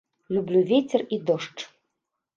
Люблю вецер і дождж.